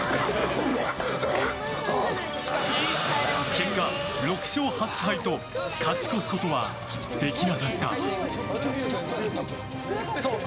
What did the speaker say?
結果６勝８敗と勝ち越すことはできなかった。